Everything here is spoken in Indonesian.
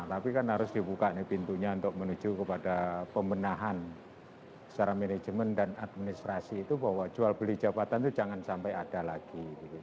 tapi kan harus dibuka nih pintunya untuk menuju kepada pembenahan secara manajemen dan administrasi itu bahwa jual beli jabatan itu jangan sampai ada lagi